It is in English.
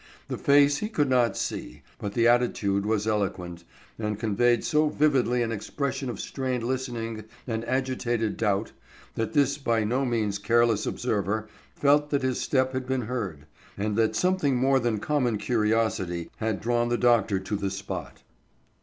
The face he could not see, but the attitude was eloquent, and conveyed so vividly an expression of strained listening and agitated doubt, that this by no means careless observer felt that his step had been heard, and that something more than common curiosity had drawn the doctor to the spot.